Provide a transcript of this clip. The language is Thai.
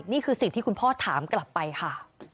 นี่คือสิ่งที่คุณพ่อถามกลับไปค่ะ